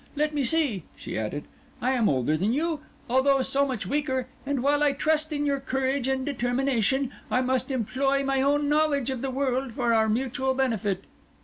Let me see," she added; "I am older than you, although so much weaker; and while I trust in your courage and determination, I must employ my own knowledge of the world for our mutual benefit.